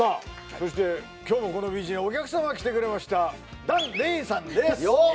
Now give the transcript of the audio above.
そして今日もこのビーチにお客様が来てくれました檀れいさんですよっ！